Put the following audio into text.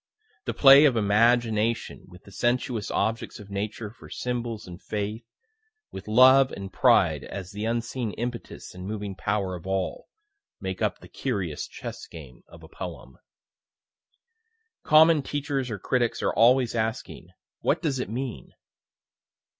The play of Imagination, with the sensuous objects of Nature for symbols and Faith with Love and Pride as the unseen impetus and moving power of all, make up the curious chess game of a poem. Common teachers or critics are always asking "What does it mean?"